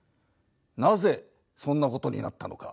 なぜそんなことになったのか？